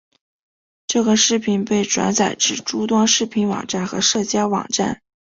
这个视频被转载至诸多视频网站和社交网站。